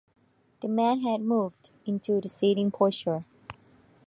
The man had moved into a sitting posture.